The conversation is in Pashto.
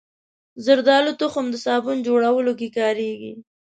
زردالو تخم د صابون جوړولو کې کارېږي.